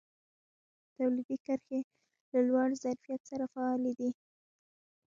تولیدي کرښې له لوړ ظرفیت سره فعالې دي.